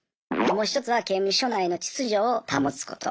もう一つは刑務所内の秩序を保つこと。